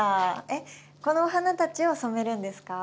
えっこのお花たちを染めるんですか？